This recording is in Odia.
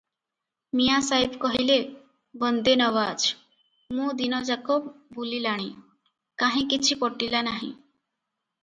ମିଆଁ ସାହେବ କହିଲେ --"ବନ୍ଦେ ନୱାଜ, ମୁଁ ଦିନଯାକ ବୁଲିଲାଣି, କାହିଁ କିଛି ପଟିଲା ନାହିଁ ।